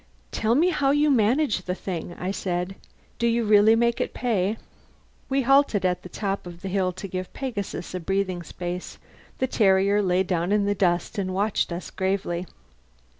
"Tell me how you manage the thing," I said. "Do you really make it pay?" We halted at the top of the hill to give Pegasus a breathing space. The terrier lay down in the dust and watched us gravely.